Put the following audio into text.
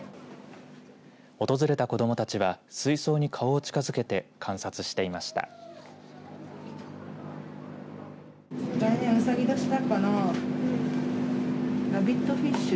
訪れた子どもたちは水槽に顔を近づけて観察していました。